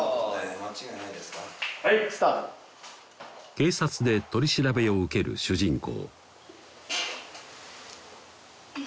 警察で取り調べを受ける主人公